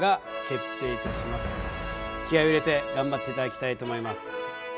気合いを入れて頑張って頂きたいと思います。